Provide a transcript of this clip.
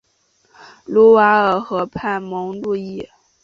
卢瓦尔河畔蒙路易。